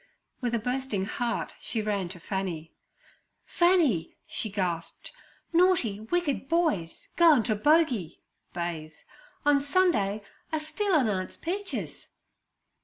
With a bursting heart she ran to Fanny. 'Fanny' she gasped, 'naughty, wicked boys goin' t' bogey [bathe] on Sunday are stealin' Aunt's peaches!'